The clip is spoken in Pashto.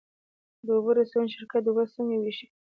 د اوبو رسونې شرکت اوبه څنګه ویشي؟